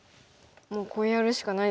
もうこうやるしかないですよね。